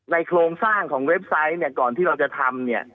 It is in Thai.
โครงสร้างของเว็บไซต์เนี่ยก่อนที่เราจะทำเนี่ย